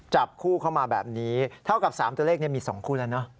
จับคู่เข้ามาแบบนี้เท่ากับ๓ตัวเลขนี้มี๒คู่แล้วเนอะ